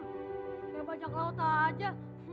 kayak bajak laut aja